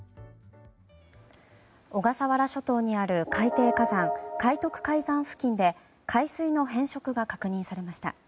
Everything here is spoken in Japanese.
小笠原諸島にある海底火山海徳海山付近で海水の変色が確認されました。